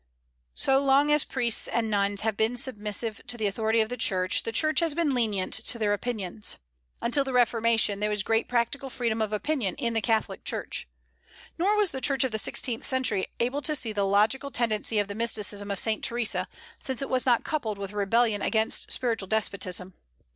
So long as priests and nuns have been submissive to the authority of the Church, the Church has been lenient to their opinions. Until the Reformation, there was great practical freedom of opinion in the Catholic Church. Nor was the Church of the sixteenth century able to see the logical tendency of the mysticism of Saint Theresa, since it was not coupled with rebellion against spiritual despotism.